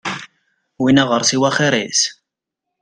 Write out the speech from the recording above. Win aɣersiw axir-is.